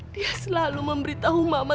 dia selalu memberitahu mama